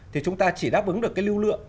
thì chúng ta chỉ đáp ứng được cái lưu lượng